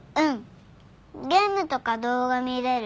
ゲームとか動画見れる。